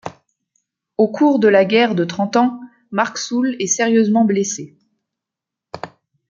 Au cours de la guerre de Trente ans, Marksuhl est sérieusement blessé.